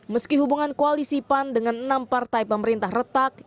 meski hubungan koalisi pan dengan enam partai pemerintah retak